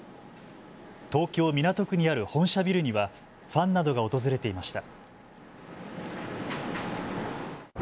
東京・港区にある本社ビルにはファンなどが訪れていました。